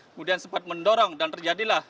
kemudian sempat mendorong dan terjadilah